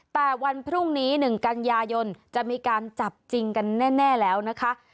แต่วันพรุ่งนี้๑กันยายนจะมีการจับจริงกันแน่แล้วนะคะ